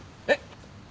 えっ？